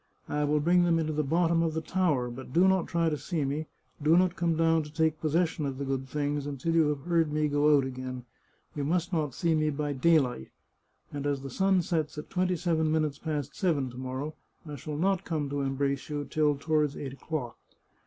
I will bring them into the bottom of the tower, but do not try to see me, do not come down to take possession of the good things until you have heard me go out again ; you must not see me by daylight, and as the sun sets at twenty seven minutes past seven to morrow, I shall not come to embrace you till toward eight o'clock.